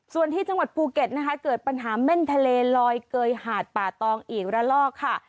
ส่วนที่จังหวัดภูเก็ตนะคะเกิดปัญหาเม่นทะเลลอยเกยหาดป่าตองอีกระลอกค่ะ